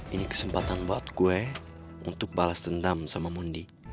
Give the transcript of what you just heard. ini kesempatan buat gue untuk balas dendam sama mundi